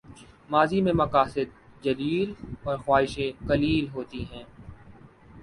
ماضی میں مقاصد جلیل اور خواہشیں قلیل ہوتی تھیں۔